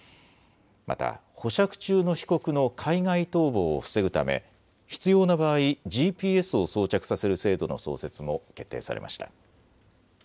また保釈中の被告の海外逃亡を防ぐため必要な場合、ＧＰＳを装着させる制度の創設も決定されました。